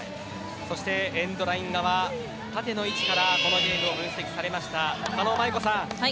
そして、エンドライン側縦の位置からこのゲームを分析した狩野舞子さん